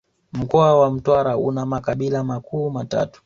Mkoa wa Mtwara una makabila makuu matatu